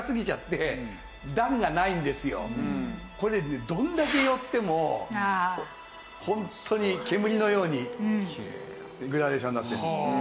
これねどんだけ寄ってもホントに煙のようにグラデーションになってる。